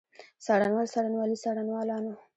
څارنوال، څارنوالي، څارنوالانو.